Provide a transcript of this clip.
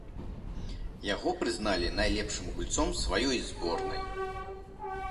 Яго прызналі найлепшым гульцом сваёй зборнай.